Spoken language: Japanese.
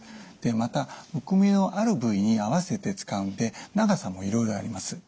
またむくみのある部位に合わせて使うので長さもいろいろあります。